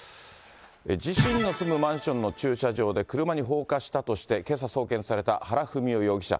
自身の住むマンションの駐車場で車に放火したとして、けさ送検された原文雄容疑者。